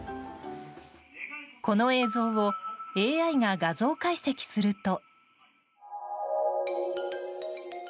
この映像をＡＩが画像解析すると。